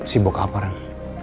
sibuk apa ren